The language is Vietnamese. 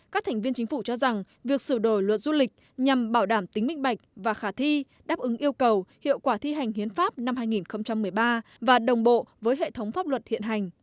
các thành viên chính phủ cho rằng việc sửa đổi luật du lịch nhằm bảo đảm tính minh bạch và khả thi đáp ứng yêu cầu hiệu quả thi hành hiến pháp năm hai nghìn một mươi ba và đồng bộ với hệ thống pháp luật hiện hành